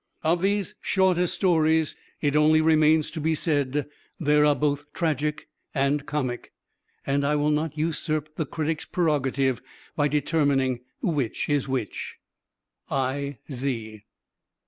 Of these shorter stories it only remains to be said there are both tragic and comic, and I will not usurp the critic's prerogative by determining which is which._ _I. Z.